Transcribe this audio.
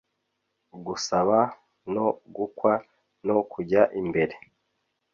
gusaba no gukwa no kujya imbere